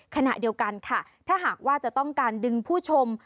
ขณะเดียวกันค่ะถ้าหากว่าจะต้องการดึงผู้ชม